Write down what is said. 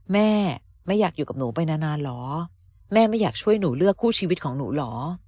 แม่ไม่อยากอยู่กับหนูไปนานเหรอแม่ไม่อยากช่วยหนูเลือกคู่ชีวิตของหนูเหรอ